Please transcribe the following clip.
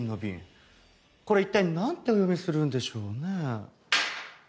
これ一体なんてお読みするんでしょうね？